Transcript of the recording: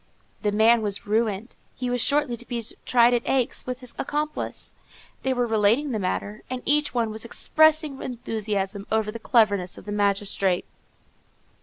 The man was ruined. He was shortly to be tried at Aix with his accomplice. They were relating the matter, and each one was expressing enthusiasm over the cleverness of the magistrate.